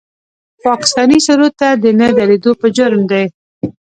پاکستاني سرود ته د نه درېدو په جرم د